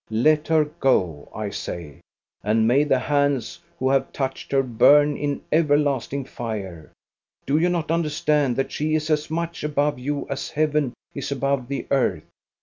Let her go, I say; and may the hands who have touched her burn in everlasting fire ! Do you not understand that she is as much above you as heaven is above the earth